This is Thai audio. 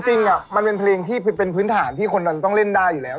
จริงมันเป็นเพลงที่เป็นพื้นฐานที่คนเราต้องเล่นได้อยู่แล้ว